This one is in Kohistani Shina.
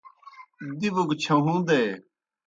دِبوْ گہ چھہُون٘دے۔